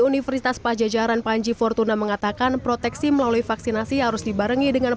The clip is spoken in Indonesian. universitas pajajaran panji fortuna mengatakan proteksi melalui vaksinasi harus dibarengi dengan